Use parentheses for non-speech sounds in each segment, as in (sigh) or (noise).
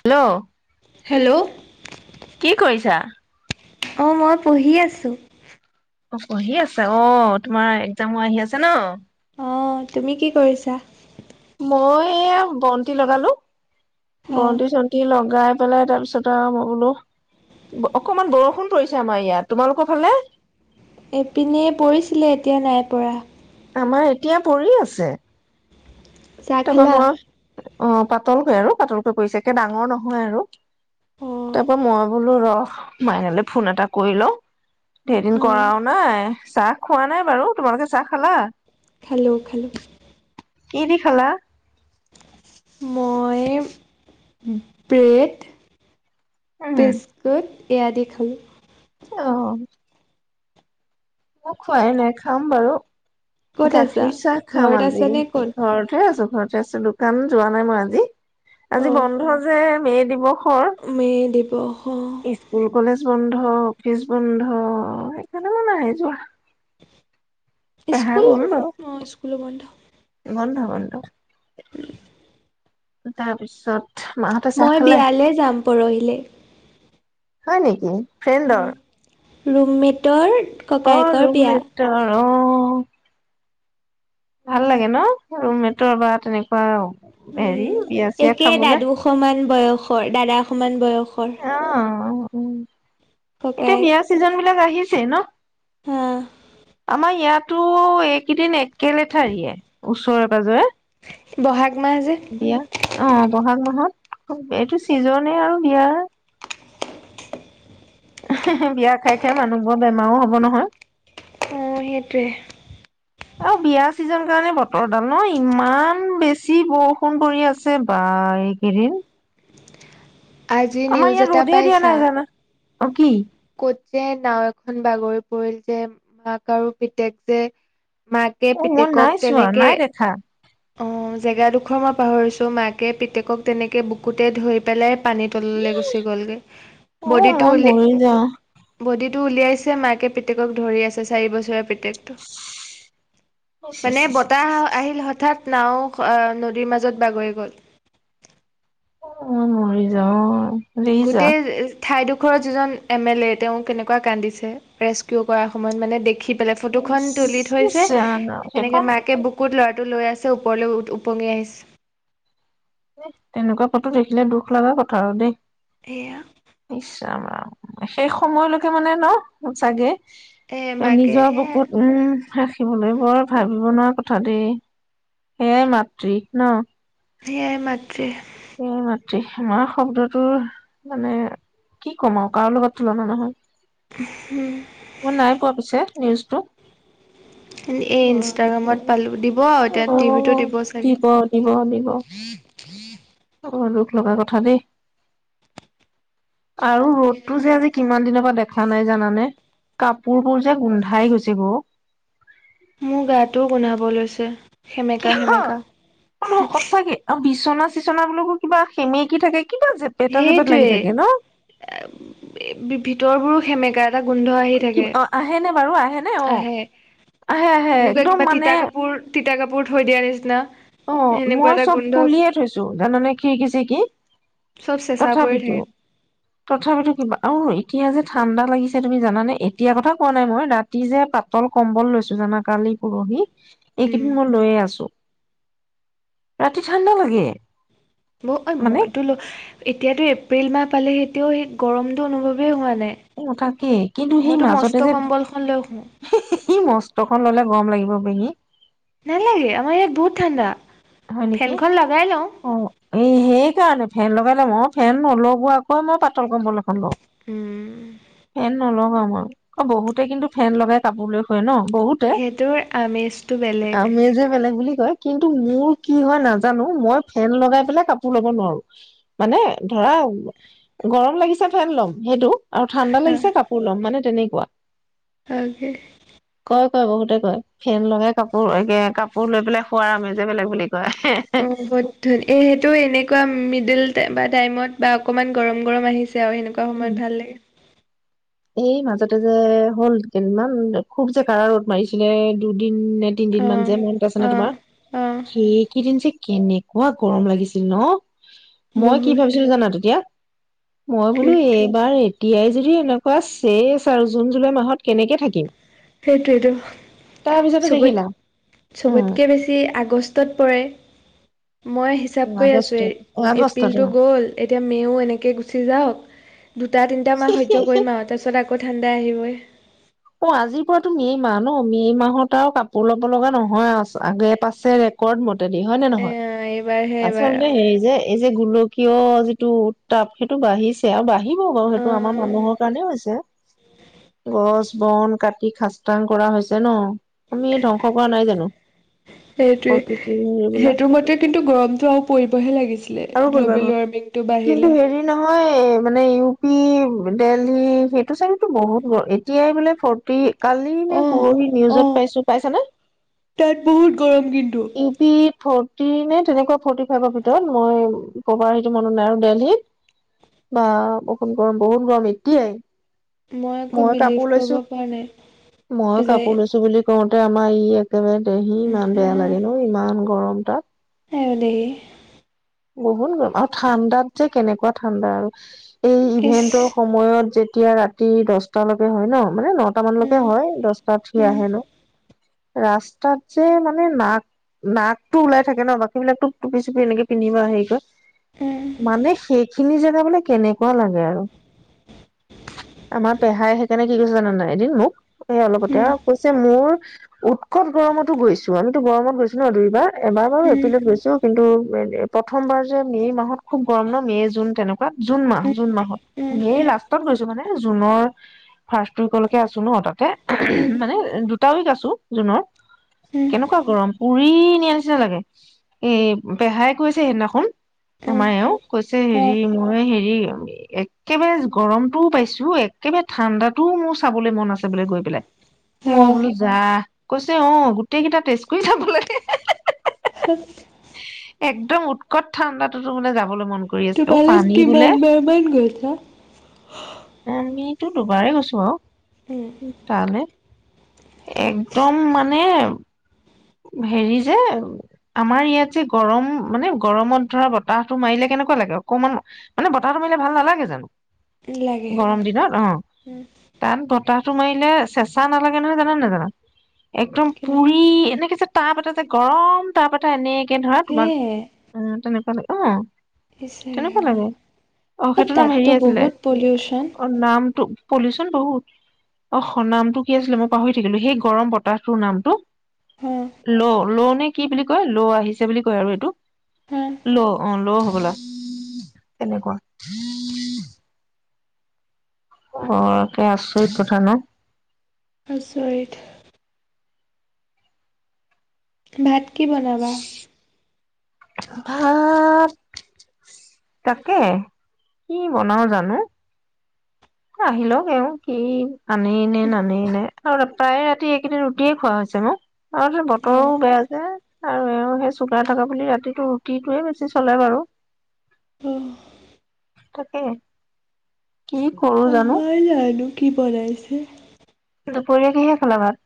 Hello hello কি কৰিছা? অ মই পঢ়ি আছো অ' পঢ়ি আছে অ' তোমাৰ এক্জামো আহি আছে ন? অ', তুমি কি কৰিছা? মই এয়া বন্তি লগালো। হা বন্তি চন্তি লগাই পেলাই তাৰপিছত আৰু মই বোলো, অকমান বৰষুণ পৰিছে আমাৰ ইয়াত তোমালোকৰ ফালে? ইপিনে পৰিছিলে, এতিয়া নাই পৰা। আমাৰ এতিয়া পৰি আছে। চা তাৰপা খালা মই অ পাতলকৈ আৰু পাতলকৈ পৰিছে একে ডাঙৰ নহয় আৰু অঁ তাৰ পৰাৰা মই বোলো ৰহ মাইনালৈ ফোন এটা কৰি লওঁ ৰদিন অঁ কৰাও নাই চাহ খোৱা নাই বাৰু তোমালোকে চাহ খালা খালো, খালো। কি দি খালা? মই ব্ৰেড উম। বিস্কুট। এয়া দি খালো। এ, অ। মই খোৱাই নাই। খাম বাৰু। ক'ত আছা? গাখীৰ চাহ খাম ঘৰত আজি আছা নে ক'ত? ঘৰতহে আছো ঘৰতে আছোঁ দোকান যোৱা নাই মই আজি। আজি অঁ বন্ধ যে। মে' দিৱস মে' দিৱসো স্কুল কলেজ বন্ধ অফিচ বন্ধ সেইকাৰণে কোনো নাই যোৱা পেহা ইস্কুল গ'ল বাৰু অ', স্কুলো বন্ধ। বন্ধ বন্ধ। উম। তাৰপিছত মাহঁতে চাহ মই খালে বিয়ালৈ যাম পৰহিলে। হয় নেকি? ফ্ৰেণ্ডৰ ৰুমমেটৰ অ', ককায়েকৰ বিয়া। ৰুমমেটৰ অ' ভাল লাগে ন? ৰুমমেটৰ বা তেনেকুৱা হেৰি উম, বিয়া চিয়া একে খাবলে দাদু সমান বয়সৰ দাদা সমান বয়স খৰ উম। এতিয়া বিয়া চিজন বিলাক আহিছেই ন? হা আমাৰ ইয়াত টো এইকেইদিন এক কেলে থাৰিয়ে ওচৰে-পজৰে ব'হাগ মাহ যে বিয়া অ', ব'হাগ মাহত এইটো চিজনেই আৰু বিয়াৰ বিয়া খাই খাই মানুহবোৰ বেমাৰো হ'ব নহয় অ', সেইটোৱে আৰু বিয়া চিজন কাৰণে বতৰডাল ন? ইমান বেছি বৰষুণ পৰি আছে বা এইকেইদিন আজি আমাৰ নিউজ ইয়াত এটা ৰ'দে দিয়া পাইছা? নাই জানা অ', কি? ক'ত যে, নাওঁ এখন বাগৰি পৰিল যে, মাক আৰু পিতেক যে মাকে অ', মোৰ পিতেকক নাই চোৱা তেনেকে নাই দেখা অ', জেগাডোখৰ মই পাহৰিছোঁ মাকে পিতেকক তেনেকে বুকুতে ধৰি পেলাই পানী তললৈ গুচি গ'লগে অ বডিটো মই উল মৰি যাওঁ বডিটো উলিয়াইছে মাকে পেতেকক ধৰি আছে চাৰি বছৰে পেতেকটো। ইচ ইচ মানে ইচ ইচ বতাহ ইচ আহিল হঠাৎ। নাও আ নদীৰ মাজত বাগৰি গ'ল। অই মৰি যাওঁ। ৰিজা গোটেই ঠাইডোখৰৰ যিজন এম এল এ তেওঁ কেনেকুৱা কান্দিছে ৰেস্কিউ কৰাৰ সময়ত মানে দেখি পেলে ফটো খন তুলি ইচ থৈছে, ৰাম এনেকে সেইখন মাকে বুকুত ল'ৰাটো লৈ আছে ওপৰলৈ ওপঙি আহিছে। তেনেকুৱা ফটো দেখিলে দুখ লগা কথা আৰু দেই। সেয়া। ইচ ৰাম ৰাম। শেষ সময়লৈকে মানে ন' চাগে? এ মাকে নিজৰ বকুত উম। ৰাখিবলৈ বৰ ভাবিব নোৱাৰা কথা দেই সেয়াই মাতৃ ন'। সেয়াই মাতৃ এই মাতৃ আমাৰ শব্দটো মানে কি কম আৰু কাৰো লগত তুলনা নহয়। মই নাই কোৱা পিছে। নিউজ টো, এই ইনষ্টাগ্ৰামত পালোঁ দিব আৰু এতিয়া টিভিটো অ' দিব চাগে। দিব বৰ দূখ লগা কথা দেই আৰু ৰ'দতটো যে আজি কিমান দিনৰ, মই দেখা নাই জানানে কাপোৰ বোৰ যে গোন্ধাই গৈছে গ মোৰ গাটোও গোন্ধাব লৈছে। সেমেকা কিহ সেমেকা সঁচাকে আ বিশ বিচনা চিচনা বোকো কিবা সেমেকি থাকে, কিবা জেপেটা জেপেট লাগি থাকে ন সেইটোৱেই ভিতৰবোৰো সেমেকা এটা গোন্ধ আহি কি থাকে। অ আহে নে বাৰু আহে ন, অ', আহে আহে আহে এনেকুৱা একদম কিবা মানে। তিতা কাপোৰ তিতা কাপোৰ থৈ দিয়া নিচিনা। অ', সেনেকুৱা মই এটা চব গোন্ধ খুলিয়ে থৈছো জানানে খিৰিকিচি কি চব চেঁচা পৰি তথাপিতো থাকে তথাপিতো কিবা অ'। এতিয়া যে ঠাণ্ডা লাগিছে তুমি জানে এতিয়া কথা কোৱা নাই মই ৰাতি যে পাতল কম্বল লৈছো জানা কালি পৰহি, উম এইকেইদিন মই লৈয়ে আছোঁ। ৰাতি ঠাণ্ডা লাগে। ব অ মানে মইতো ল এতিয়াতো এপ্ৰিল মাহ পালে এতিয়াও সেই গৰমটো অনুভৱেই হোৱা নাই এইথাকেই কিন্তু সেই মইতো মাজতে মস্ত যে সি, কম্বলখন লৈ শুওঁ সি, সি মস্তখন ল'লে। গৰম লাগিব বেহি। নালাগে আমাৰ ইয়াত বহুত ঠাণ্ডা। হয় নেকি? ফেনখন লগাই লওঁ অ', এই সেইকাৰণে ফেন লগাই ল মই ফেন নলগোৱা কৈ মই পাতল কম্বল এখন লওঁ। উম। নলগাওঁ মই অ বহুতে কিন্তু ফেন লগাই কাপোৰ লৈ শুৱে ন। বহুতে সেইটোৰ আমেজটো বেলেগ। হয় কিন্তু মোৰ। কি হয় নাজানো মই ফেন লগাই পেলাই কাপোৰ ল'ব নোৱাৰো। মানে ধৰা গৰম লাগিছে ফেন লম সেইটো অ' ঠাণ্ডা লাগিছে কাপোৰ লম মানে তেনে। ৱাহ। আৰু যে কয় কয় বহুতে কয় ফেন লগাই কাপোৰ একে কাপোৰ লৈ পেলাই শুৱাৰ আমিজেই বেলেগ বেলেগ বুলি। কয় (unintelligible) এই সেইটো এনেকুৱা মিডিল। টাইমত বা অকমান গৰম গৰম আহিছে। আৰু সেনেকুৱা উম সময়ত ভাল লাগে। এই মাজতে যে হ'ল মান খুব জে কাৰা ৰ'দ মাৰিছিলে দু দুদিন নে তিন দিন মান যে অ', মনত আছে নে তোমাৰ অ', অ', সেই কেই দিন যে। কেনেকুৱা গৰম লাগিছিল ন। মই কি বহুত ভাবিছিলো জানা তেতিয়া? মই কি বোলো এইবাৰ। এতিয়াই যদি এনেক কোৱা শেষ আৰু জুন, জুলাই মাহত। কেনেকে থাকিম। পিছতে দেখিলা চবত-চবতকে উম বেছি আগষ্টত পৰে। মই হিচাপ কৰি আছোঁ। আগষ্ট এই আগষ্টত এপ্ৰিলটো গ'ল, এতিয়া মে'ও এনেকৈ গুচি যাওক। দুটা তিনিটামাহ সহ্য কৰিম আৰু তাৰপিছত আকৌ আকৌ ঠাণ্ডা আহিবই। অ আজিৰ পৰাতো মে মাহ ন মে' মাহত আৰু কাপোৰ লব লগা নহয় আ আগ এ পাছে ৰেকৰ্ড মতে। ত হয় নে এ নহয় এইবাৰহে এইবাৰ আচলতে হে যে এই। যে গোলকীয় যিটো তাপ সেইটো বাঢ়িছে আৰু বাঢ়ি বাৰু সেইটো আমাৰ অ', মানুহৰ কাৰণেও হৈছে গছ। বন কাটি খাসতাং কৰা হৈছে ন আমি ধ্বংস কৰা নাই জানো। সেইটোৱে, প্ৰকৃতিৰ হেৰিবিলাক সেইটোৰ সেইটো মতে কিন্তু গৰমতটো আৰু পৰিবহে লাগিছিলে আৰু কৰিবা গ্ল'বেল ৱাৰ্মিংটো বাঢ়িলে। এ মানে ইউ পি দেলহি সেইটো চাগতো বহুত এ। এতিয়াই বোলে ফৰটি কালি নে অ', পৰহি নিউজত অ', পাইছো পাইছানে? তাত বহুত গৰম কিন্তু ইউ পি ফ ফটি তেনেকুৱা ফৰ্টি ফাইভৰ ভিতৰত মই পপাৰ হেৰিটো মনত নাই আৰু দেলহিত বা বহুত গৰম - বহুত গৰম এতিয়াই। মই আকৌ বিলিভ ক (inaudible) মই কাপোৰ লৈছো বুলি ক কওঁতে আমাৰ ই আকৌ একেবাৰে দেহি ইমান বেয়া লাগে ন? ইমান গৰম তাত। আইঅ' দেহি। বহুত গৰম আৰু ঠাণ্ডাত যে কেনেকুৱা ঠাণ্ডা আৰু এই ইভেন্টৰ সময়ত যেতি এতিয়া ৰাতি দহটালৈকে হয় ন? মানে নটা মানলৈকে হয় দচটাত সি আহে ন? ৰাস্তাত যে মানে নাক। নাকটো ওলাই থাকে ন' বাকী বিলাকতো। টুপী-চুপী এনেকে পিন্ধিবা আহি ক'ত? মানে সেইখিনি যে যাব কেনেকুৱা লাগে আৰু, আমাৰ পেহাই সেইকাৰণে কি কৈছে জানানে নাই এদিন মোক। সেই অলপতে আউ কৈছে মোৰ উৎকট গৰমতো গৈছো আমিতো গৰমত গৈছো ন, দুই দুইবাৰ এবাৰ বাৰু এপ্ৰিলত গৈছো কিন্তু (unintelligible) প্ৰথমবাৰ যে মে' মাহত খুব গৰম ন মে' জুন তেনেকুৱা? জুন মাহ, জুন মাহত। মে' লাষ্টত গৈছো মানে জুনৰ ফাৰ্ষ্ট উইকলৈকে আছো ন' তাতে। (unintelligible) মানে দু দুটা উইক আছো জুনৰ, কেনেকুৱা গৰম পুৰিই নিয়াৰ নিচিনা লাগে, এই পেহাই কৈছে সেইদিনাখন। আমাৰ এওঁ কৈছে হেৰি, মই হেৰি। এ, একেবাৰে গৰমটোও পাইছো একেবাৰে ঠাণ্ডাতটোও মোৰ চাবলৈ মন আছে বোলে গৈ পেলাই, মই বোলো যাহ! কৈছে অ, গোটেই কেইটা টেষ্ট কৰি চাব লাগে হা-হা-হা-হা-হা। আ (unintelligible) একদম উৎকট ঠাণ্ডাটো টো বোলে যাবলৈ মন। কৰি আছে অ তোমালোক পানী বোলে কিমান বাৰ মান গৈছা? তো দুবাৰেই গৈছো আউ, তালৈ, একদম মানে হেৰি যে, আমাৰ ইয়াত যে গৰম মানে গৰমত ধৰা বতাহতটো মাৰিলে কেনেকুৱা লাগে অকমান, মানে বতাহত মাৰিলে ভাল নালাগে জানো? লাগে (inaudible) গৰম দিনত অ, উম, তাত বতাহ। তো মাৰিলে চেঁচা নালাগে নহয় জান নে নাজানা? একদম কিন্তু পুৰী এনে- (unintelligible) যে তাপ এটা যে গৰম তাপ এটা এনে (unintelligible) ধৰা তোমাক, সেয়ে উম তেনেকুৱা লাগে। অ'। ইচ কেনেকুৱা ৰাম। লাগে। অ', সেইটোৰ নাম তাততো হেৰি আছিলে, বহুত এ অ পলিউশ্যন অ নামটো পলিউশন বহুত। অস অ নামটো কি আছিলে মই পাহৰি থাকিলো সেই গৰম বতাহটোৰ নামটো। ল' ল' নে কি বুলি কয় ল' আহিছে বুলি কয় আৰু এইটো। ল', অ', ল', হ গলা (inaudible) কেনেকুৱা (inaudible) অ', একে আচৰিত কথা ন? আচৰিত (inaudible) ভাত কি বনাবা? ভাত, তাকে কি বনাও জানো। এ আহিলওক এওঁ কি আনেইনে নানেইনে। আৰু ৰাত প্ৰায়ে ৰাতি এইকেইদিন ৰুটিয়ে খোৱা হৈছে মোৰ। আৰু যে অ, বতৰো বেয়া যে আৰু এওঁৰ যে চুগাৰ থকা বুলি ৰাতিটো ৰুটিটোৱে বেছি চলে বাৰু। অ, তাকে। কি সৰু জানো। কিপা (unintelligible) দুপৰীয়া কিহে খালা ভাত?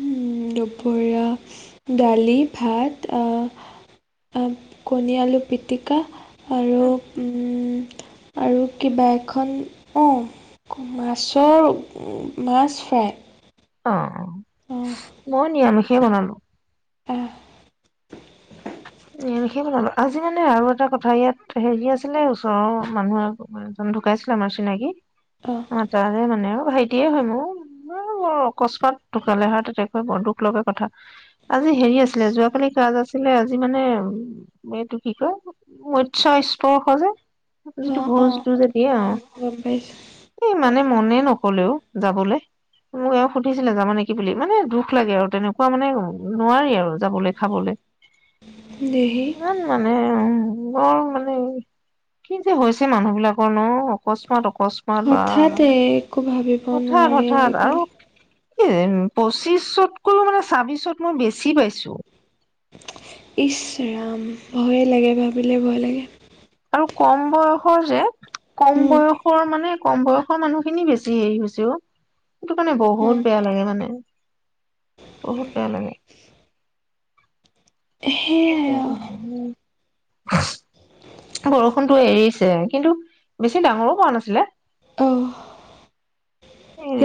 উম দুপৰীয়া- দালি ভাত অ এন কণী আলু পিটিকা আৰু উম আৰু কিবা এখন কও ক মাছৰ উ মাছ ফ্ৰাই অ। অ, অঁ মই নিৰামিষ। কি বনালো। অঁ এ সেই বোলো আজি মানে আৰু এটা কথা ইয়াত হেৰি আছিলে ওচৰৰ মানুহ (inaudible) এজন ঢুকাইছিলে আমাৰ চিনাকি অঁ তাৰে মানে আৰু ভাইটিয়ে হয় মোৰ ব বৰ অকস্মাৎ ঢুকালে হাৰ্ট এটেক হৈ বৰ দুখ লগা কথা। আজি হেৰি আছিলে যোৱাকালি ক্লাছ (unintelligible) আজি মানে উ এইটো কি কয় মৎস্য স্পৰ্শ যে (unintelligible) অঁ ভোজ (unintelligible) অঁ গম পাইছোঁ কি মানে মনে নকলেও, যাবলৈ, মোক এও সুধিছিলে যাবা নেকি বুলি, মানে দুখ লাগে আৰু তেনেকুৱা মানে নোৱাৰি আৰু যাবলৈ খাবলৈ, দেহি (unintelligible) মনে (unintelligible) বৰ মানেহ, কি যে হৈছে মানুহ বিলাকৰ ন অকস্মাৎ অকস্মাৎ- (unintelligible) বা হঠাতে একো ভাবিব হঠাৎ নোৱাৰি হঠাৎ আজিকালি আৰু কি ৰেন পঁচিছ চটকৈও মানে চাব্বিশত মই বেছি পাইছো। ইচ ৰাম, ভয়ে লাগে ভাবিলে ভয় লাগে। আৰু কম বয়সৰ যে। কম উম, বয়সৰ মানে কম বয়সৰ মানুহ খিনি বেছি হেৰি হৈছে অ সেইটো কাৰণে উম, বহুত বেয়া লাগে মানে। বহুত বেয়া লাগে। সেয়াই আৰু (inaudible) বৰষুণটো এৰিছে কিন্তু বেছি ডাঙৰো পৰা নাছিলে অঁ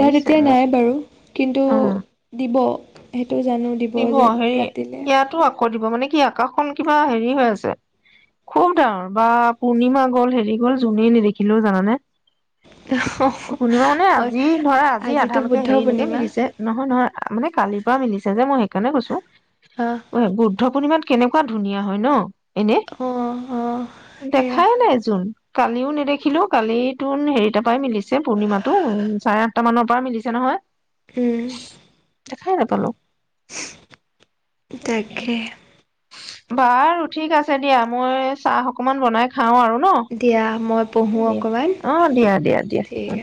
ইয়াত এতিয়া মোক নাই বাৰু, কিন্তু উম দিব। হেত টো জানো দিব যে ৰাতিলে, ইয়াতো আকৌ দিব মানে কি আকাশখন কিবা হেৰি হৈ আছে খুব ডাঙৰ বা পূৰ্ণিমা গ'ল হেৰি গ'ল জুনেই নেদেখিলো জানানে। পূৰ্ণিমা মানে হয় আজি ধৰা আজি আজিতো আধালৈকে বুদ্ধ হেৰিলৈকে পূৰ্ণিমা মিলিছে। নহয়, নহয়। মানে কালিৰ পৰা মিলিছে যে মই সেইকাণে কৈছো। অ অই বুদ্ধ পূৰ্ণিমাত কেনেকুৱা ধুনীয়া হয় ন? এনে। অ অ সেয়া দেখাই নাই জুন। কালিও নেদেখিলো কালি তোন হেৰি তাৰ পৰা মিলিছে ছে পূৰ্ণিমা টো চ কামানৰ পৰা মিলিছে নহয়। উম। দেখায় নাপালো। তাকে। বাৰু ঠিক আছে দিয়া মই চাহ অকমান বনাই খা খাওঁ আৰু ন দিয়া মই পঢ়ো দিয়া অকমান অ দিয়া দিয়া দিয়া। ঠিক আছে